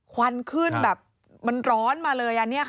ควันขึ้นแบบมันร้อนมาเลย